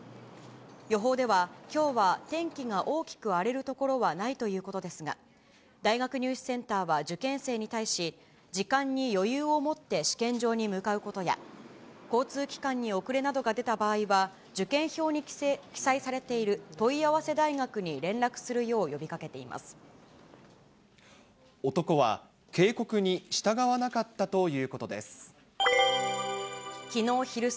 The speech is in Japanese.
予報では、きょうは天気が大きく荒れる所はないということですが、大学入試センターは受験生に対し、時間に余裕を持って、試験場に向かうことや、交通機関に遅れなどが出た場合は、受験票に記載されている問い合わせ大学に連絡するよう呼びかけて男は、警告に従わなかったということです。